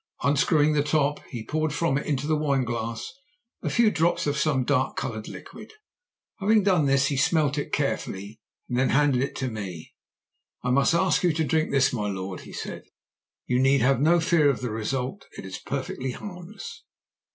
Unscrewing the top, he poured from it into the wine glass a few drops of some dark coloured liquid. Having done this he smelt it carefully and then handed it to me. 'I must ask you to drink this, my lord,' he said. 'You need have no fear of the result: it is perfectly harmless.'